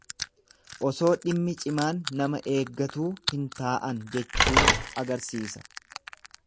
Osoo dhimmi cimaan nama eeggatuu hin taa'an jechuu agarsisa.